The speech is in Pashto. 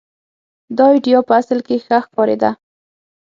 دا اېډیا په اصل کې ښه ښکارېده.